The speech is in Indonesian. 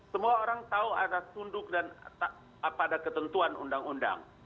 semua orang tahu ada tunduk dan pada ketentuan undang undang